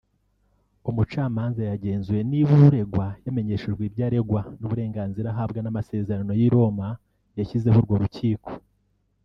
umucamanza yagenzuye niba uregwa yamenyeshejwe ibyo aregwa n’uburenganzira ahabwa n’amasezerano y’i Roma yashyizeho urwo rukiko